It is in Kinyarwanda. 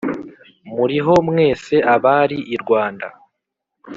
muriho mwese abari i rwanda